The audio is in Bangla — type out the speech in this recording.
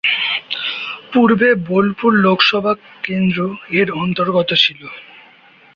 পূর্বে বোলপুর লোকসভা কেন্দ্র এর অন্তর্গত ছিল।